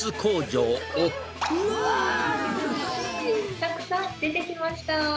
たくさん出てきました。